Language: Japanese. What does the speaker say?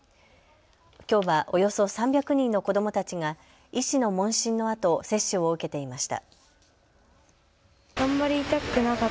きょうはおよそ３００人の子どもたちが医師の問診のあと接種を受けていました。